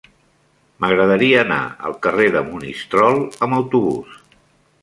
M'agradaria anar al carrer de Monistrol amb autobús.